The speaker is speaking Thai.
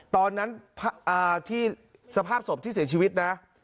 ตอนนั้นที่สภาพศพที่เสียชีวิตนะ